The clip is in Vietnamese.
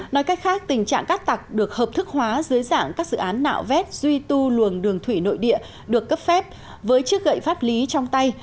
nói cách khác tình trạng cát tặc được hợp thức hóa dưới dạng các dự án nạo vét duy tu luồng đường thủy nội địa được cấp phép với chiếc gậy pháp lý trong tay